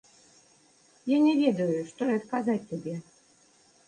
Я не ведаю, што і адказаць табе.